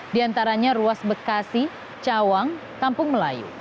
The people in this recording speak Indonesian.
di antaranya ruas bekasi cawang kampung melayu